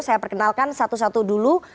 saya perkenalkan satu satu dulu